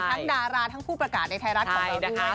ทั้งดาราทั้งผู้ประกาศในไทยรัฐของเราด้วยนะครับ